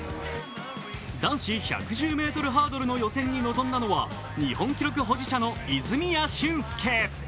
男子１１０ｍハードルの予選に臨んだのは日本記録保持者の泉谷駿介。